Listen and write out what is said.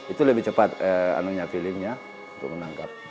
itu lebih cepat feelingnya untuk menangkap